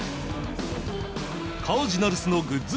カージナルスのグッズ